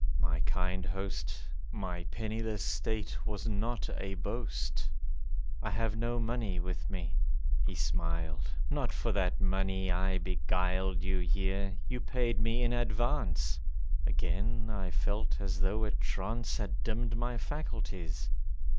"My kind host, My penniless state was not a boast; I have no money with me." He smiled. "Not for that money I beguiled You here; you paid me in advance." Again I felt as though a trance Had dimmed my faculties.